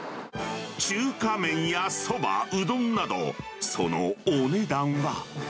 中華麺やそば、うどんなど、そのお値段は。